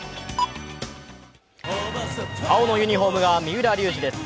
青のユニフォームが三浦龍司です。